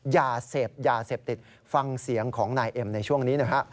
อย่าเสพอย่าเสพติดฟังเสียงของนายเอ็มในช่วงนี้นะฮะ